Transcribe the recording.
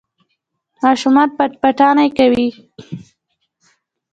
ماشومان پټ پټانې کوي.